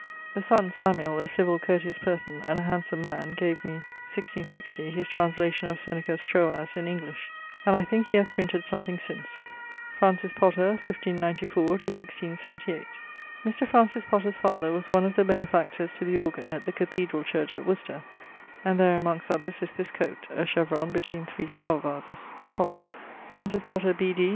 The son (Samuel), a civil courteous person, and a handsome man; gave me (1660) his translation of Seneca's Troas in English; and I think he hath printed something since. =Francis Potter= (1594 1678). Mr. Francis Potter's father was one of the benefactors to the organ at the cathedrall church at Worcester, and there amongst others is this coate '..., a chevron between 3 flower vases ...' [Potter]. Francis Potter, B.